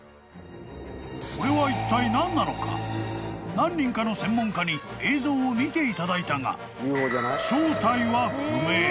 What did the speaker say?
［何人かの専門家に映像を見ていただいたが］